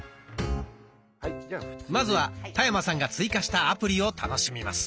まずは田山さんが追加したアプリを楽しみます。